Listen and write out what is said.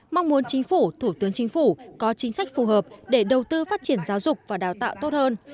mong muốn chính phủ thủ tướng chính phủ có chính sách phù hợp để đầu tư phát triển giáo dục và đào tạo tốt hơn